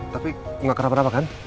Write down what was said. tapi enggak kena apa apa kan